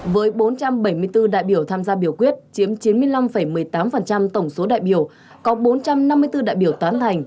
với bốn trăm bảy mươi bốn đại biểu tham gia biểu quyết chiếm chín mươi năm một mươi tám tổng số đại biểu có bốn trăm năm mươi bốn đại biểu tán thành